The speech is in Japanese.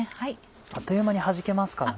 あっという間にはじけますからね。